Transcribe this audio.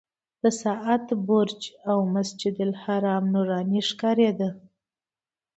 د ساعت برج او مسجدالحرام نوراني ښکارېده.